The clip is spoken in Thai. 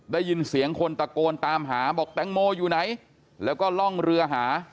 ได้ยินเสียงคนตะโกนตามหาบอกแตงโมอยู่ไหนแล้วก็ล่องเรือหา